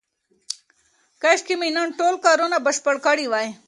کاشکې مې نن ټول کارونه بشپړ کړي وای.